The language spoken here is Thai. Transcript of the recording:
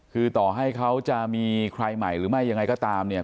คือต่อให้เขาจะมีใครใหม่หรือไม่ยังไงก็ตามเนี่ย